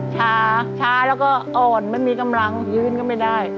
ช้าช้าแล้วก็อ่อนไม่มีกำลังยืนก็ไม่ได้